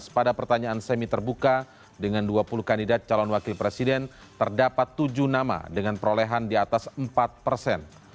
pada pertanyaan semi terbuka dengan dua puluh kandidat calon wakil presiden terdapat tujuh nama dengan perolehan di atas empat persen